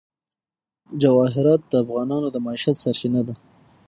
جواهرات د افغانانو د معیشت سرچینه ده.